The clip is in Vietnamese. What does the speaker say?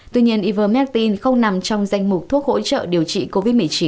tuy nhiên ivermectin không nằm trong danh mục thuốc hỗ trợ điều trị covid một mươi chín